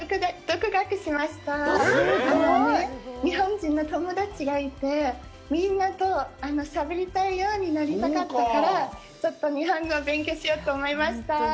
独学！？日本人の友達がいて、みんなとしゃべりたいようになりたかったからちょっと日本語を勉強しようと思いました。